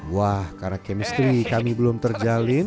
wah karena chemistry kami belum terjalin